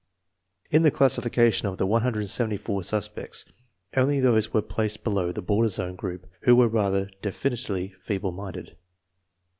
In the classification of the 174 suspects only those were placed below the border zone group who were rather definitely feeble minded.